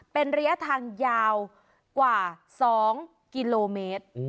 เป็นระยะทางยาวกว่า๒กิโลเมตร